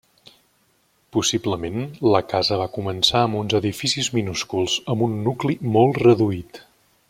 Possiblement la casa va començar amb uns edificis minúsculs, amb un nucli molt reduït.